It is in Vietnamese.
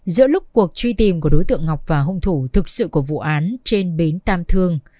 giữa lúc cuộc truy tìm của đối tượng ngọc và hung thủ thực sự của vụ án trên bến tam thương